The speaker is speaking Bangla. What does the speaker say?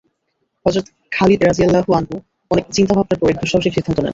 হযরত খালিদ রাযিয়াল্লাহু আনহু অনেক চিন্তা-ভাবনার পর এক দুঃসাহসিক সিদ্ধান্ত নেন।